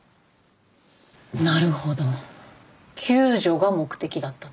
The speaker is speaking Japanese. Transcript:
なるほど救助が目的だったと。